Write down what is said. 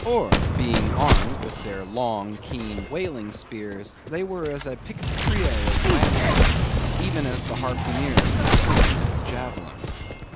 Or, being armed with their long keen whaling spears, they were as a picked trio of lancers; even as the harpooneers were flingers of javelins.